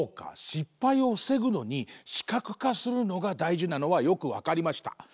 失敗をふせぐのに視覚化するのがだいじなのはよくわかりました。